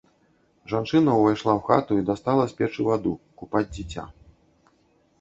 Жанчына ўвайшла ў хату і дастала з печы ваду купаць дзіця.